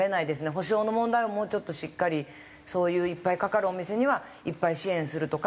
補償の問題をもうちょっとしっかりそういういっぱいかかるお店にはいっぱい支援するとか。